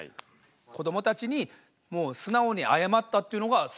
子どもたちにもう素直に謝ったっていうのがすごいな。